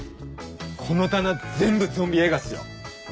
この棚全部ゾンビ映画っすよ。